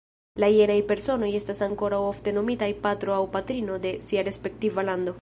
La jenaj personoj estas ankoraŭ ofte nomitaj "Patro" aŭ "Patrino" de sia respektiva lando.